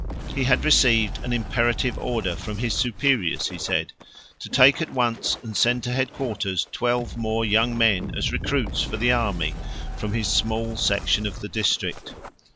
He had received an imperative order from his superiors, he said, to take at once and send to headquarters twelve more young men as recruits for the army from his small section of the district.